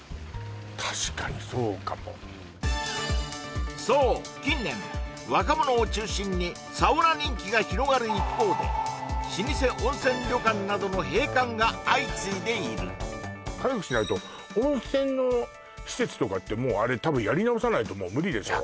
確かにそうかもうんそう近年若者を中心にサウナ人気が広がる一方で老舗温泉旅館などの閉館が相次いでいる早くしないと温泉の施設とかってもうあれ多分やり直さないともう無理でしょう